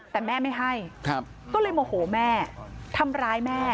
แต่แม่ไม่ให้ก็เลยโมโหแม่ทำร้ายแม่